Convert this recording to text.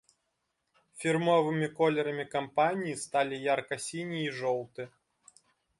Фірмовымі колерамі кампаніі сталі ярка-сіні і жоўты.